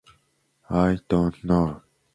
The settlement was originally called Rivers.